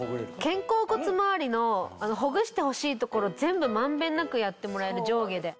肩甲骨周りのほぐしてほしい所全部満遍なくやってもらえる上下で。